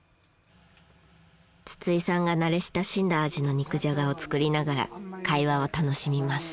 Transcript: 筒井さんが慣れ親しんだ味の肉じゃがを作りながら会話を楽しみます。